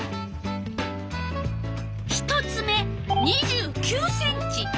１つ目２９ｃｍ。